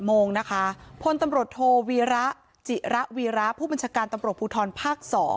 โมงนะคะพลตำรวจโทวีระจิระวีระผู้บัญชาการตำรวจภูทรภาค๒